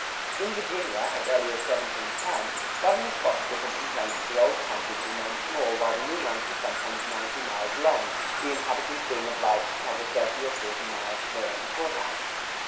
In Virginia, as early as 1710, Governor Spotswood had complained that the old counties remained small while the new ones were sometimes ninety miles long, the inhabitants being obliged to travel thirty or forty miles to their own court house.